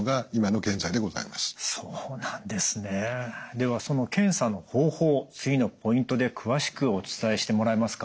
ではその検査の方法を次のポイントで詳しくお伝えしてもらえますか？